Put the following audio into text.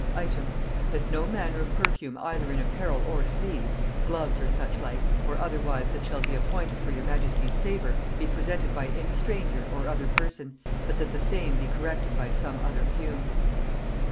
"Item. That no manner of perfume either in apparel or sleeves, gloves or such like, or otherwise that shall be appointed for your majesty's savor, be presented by any stranger or other person, but that the same be corrected by some other fume.